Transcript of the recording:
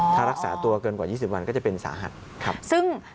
ถ้ารักษาตัวเกินกว่า๒๐วันก็จะเป็นสาหัสครับ